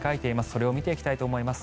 それを見ていきたいと思います。